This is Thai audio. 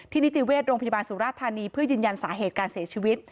นิติเวชโรงพยาบาลสุราธานีเพื่อยืนยันสาเหตุการเสียชีวิต